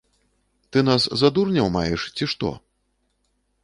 Ты нас за дурняў маеш, ці што?